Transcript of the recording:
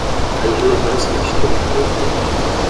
A irrelevância da atitude ficou evidente